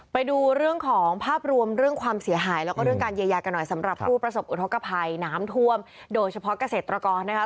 ไปดูเรื่องของภาพรวมเรื่องความเสียหายแล้วก็เรื่องการเยียวยากันหน่อยสำหรับผู้ประสบอุทธกภัยน้ำท่วมโดยเฉพาะเกษตรกรนะคะ